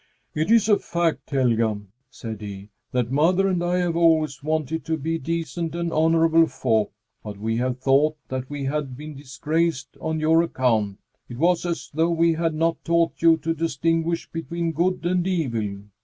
"It is a fact, Helga," said he, "that mother and I have always wanted to be decent and honorable folk, but we have thought that we had been disgraced on your account. It was as though we had not taught you to distinguish between good and evil.